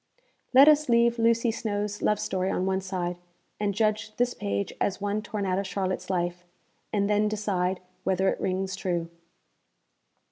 Let us leave Lucy Snowe's love story on one side, and judge this page as one torn out of Charlotte's life and then decide whether it rings true.